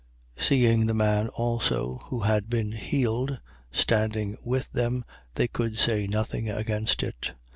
4:14. Seeing the man also who had been healed, standing with them, they could say nothing against it.